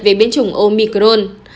về biến chủng omicron